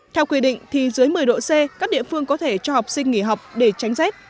theo quy định thì dưới một mươi độ c các địa phương có thể cho học sinh nghỉ học để tránh rét